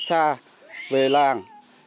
xa về làng